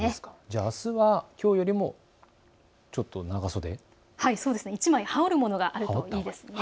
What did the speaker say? あすはきょうよりもちょっと長袖、１枚羽織るものがあるといいですね。